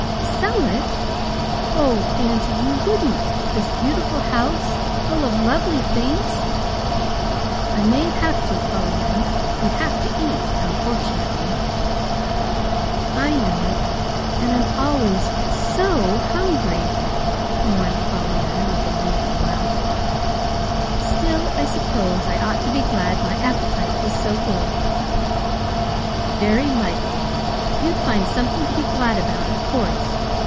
"Sell it! Oh, auntie, you wouldn't this beautiful house full of lovely things!" "I may have to, Pollyanna. We have to eat unfortunately." "I know it; and I'm always SO hungry," mourned Pollyanna, with a rueful laugh. "Still, I suppose I ought to be glad my appetite is so good." "Very likely. You'd find something to be glad about, of course.